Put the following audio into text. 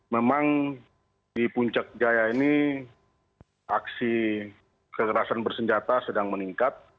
memang di puncak jaya ini aksi kekerasan bersenjata sedang meningkat